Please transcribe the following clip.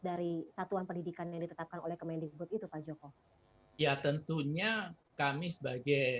dari satuan pendidikan yang ditetapkan oleh kemendikbud itu pak joko ya tentunya kami sebagai